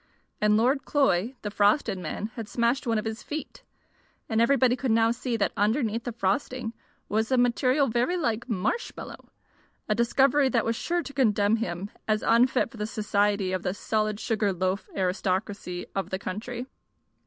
And Lord Cloy, the frosted man, had smashed one of his feet, and everybody could now see that underneath the frosting was a material very like marshmallow a discovery that was sure to condemn him as unfit for the society of the solid sugar loaf aristocracy of the country.